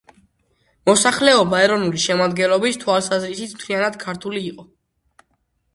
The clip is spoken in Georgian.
მოსახლეობა ეროვნული შემადგენლობის თვალსაზრისით მთლიანად ქართული იყო.